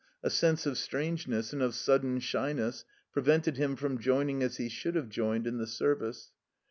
A sense of strangeness and of sudden shyness pre vented him from joining as he should have joined in the Service.